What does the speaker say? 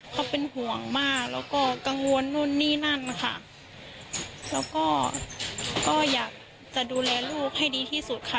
เขาเป็นห่วงมากแล้วก็กังวลนู่นนี่นั่นค่ะแล้วก็ก็อยากจะดูแลลูกให้ดีที่สุดค่ะ